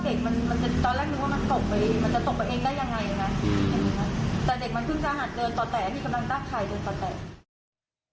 แต่เด็กมันเพิ่งจะหาเดินต่อแต่มีกำลังตากทายเดินต่อแต่